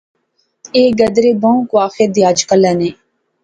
ایہہ گدرے بہوں کواخے دے اج کلے نے